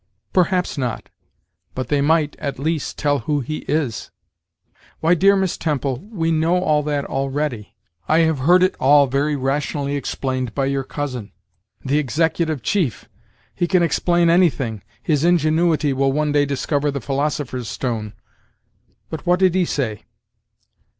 "Perhaps not; but they might, at least, tell who he is." "Why, dear Miss Temple, we know all that already. I have heard it all very rationally explained by your cousin " "The executive chief! he can explain anything. His ingenuity will one day discover the philosopher's stone. But what did he say?"